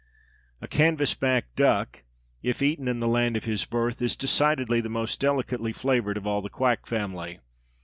A Canvass back Duck, if eaten in the land of his birth, is decidedly the most delicately flavoured of all the "Quack" family.